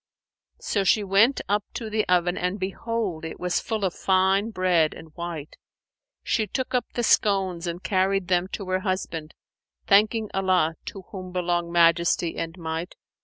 So she went up to the oven, and behold, it was full of fine bread and white. She took up the scones and carried them to her husband, thanking Allah (to whom belong Majesty and Might!)